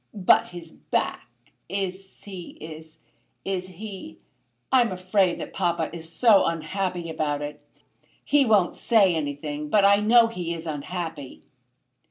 "But his back? Is he; is he ? I am afraid that papa is so unhappy about it! He won't say anything, but I know he is unhappy."